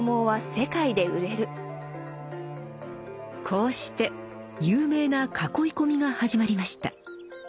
こうして有名な「囲い込み」が始まりました。